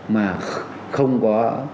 mà không có